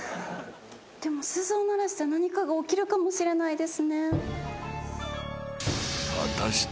でも鈴を鳴らすと何かが起きるかもしれないですね。